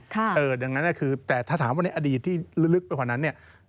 อย่างนั้นแต่ถ้าถามว่าในอดีตที่ลึกไปกว่านั้น